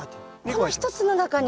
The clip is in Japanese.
この１つの中に？